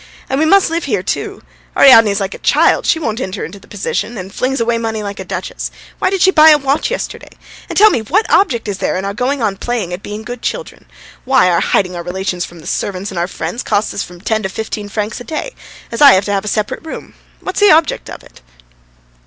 And we must live here too. Ariadne's like a child; she won't enter into the position, and flings away money like a duchess. Why did she buy a watch yesterday? And, tell me, what object is there in our going on playing at being good children? Why, our hiding our relations from the servants and our friends costs us from ten to fifteen francs a day, as I have to have a separate room. What's the object of it?"